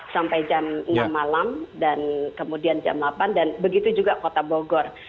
sampai jam enam malam dan kemudian jam delapan dan begitu juga kota bogor